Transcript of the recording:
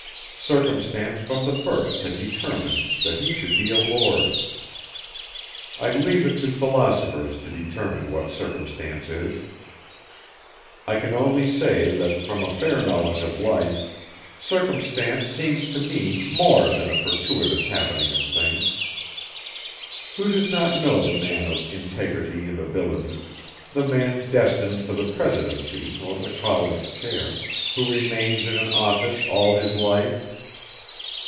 Circumstance from the first had determined that he should be a Lord. I leave it to philosophers to determine what Circumstance is. I can only say that from a fair knowledge of life, Circumstance seems to me more than a fortuitous happening of things. Who does not know the man of integrity and ability, the man destined for the Presidency or the College chair, who remains in an office all his life?